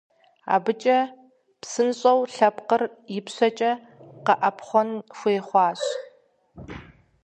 АбыкӀэ щыпсэуа лъэпкъыр ипщэкӀэ къэӀэпхъуэн хуей хъуащ.